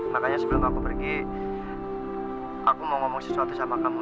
makanya sebelum aku pergi aku mau ngomong sesuatu sama kamu